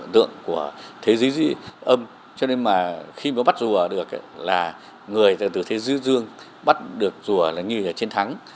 thế giới dương bắt được rùa là như là chiến thắng